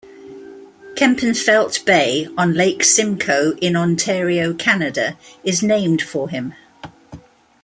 Kempenfelt Bay on Lake Simcoe in Ontario, Canada, is named for him.